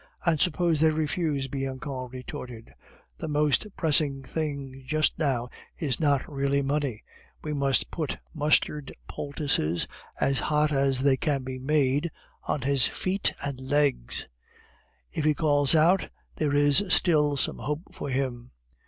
"And suppose they refuse?" Bianchon retorted. "The most pressing thing just now is not really money; we must put mustard poultices, as hot as they can be made, on his feet and legs. If he calls out, there is still some hope for him.